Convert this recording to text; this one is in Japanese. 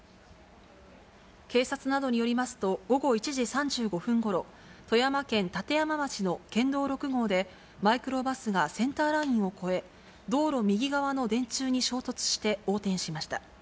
警察などによりますと、午後１時３５分ごろ、富山県立山町の県道６号で、マイクロバスがセンターラインを越え、道路右側の電柱に衝突して横転しました。